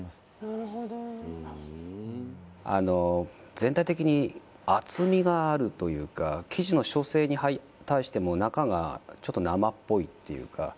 全体的に厚みがあるというか生地の焼成に対しても中がちょっと生っぽいっていうか